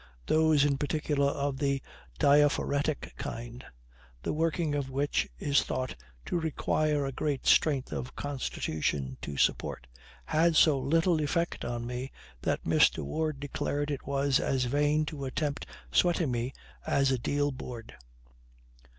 Those in particular of the diaphoretic kind, the working of which is thought to require a great strength of constitution to support, had so little effect on me, that Mr. Ward declared it was as vain to attempt sweating me as a deal board.